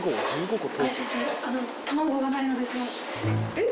えっ？